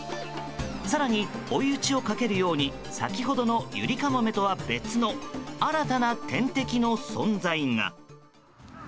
更に追い打ちをかけるように先ほどのユリカモメとは別の新たな天敵の存在が。